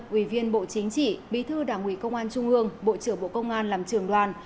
ủy viên bộ chính trị bí thư đảng ủy công an trung ương bộ trưởng bộ công an làm trường đoàn